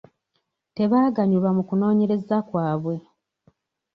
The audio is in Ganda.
Tebaaganyulwa mu kunoonyereza kwabwe.